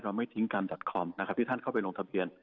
เราไม่ทิ้งกันคอมที่ท่านเข้าไปลงทะเบียน